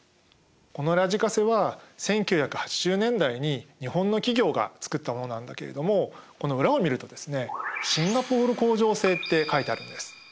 このラジカセは１９８０年代に日本の企業が作ったものなんだけれどもこの裏を見るとですねシンガポール工場製って書いてあるんです。